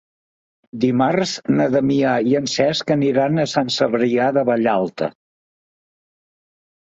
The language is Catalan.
Dimarts na Damià i en Cesc aniran a Sant Cebrià de Vallalta.